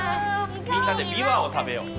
みんなでビワを食べよう。